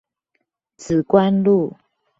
梓官路